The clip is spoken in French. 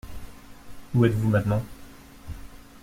Où êtes-vous maintenant ?